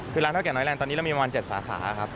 คือร้านเท่าแก่น้อยแรงตอนนี้เรามีประมาณ๗สาขาครับ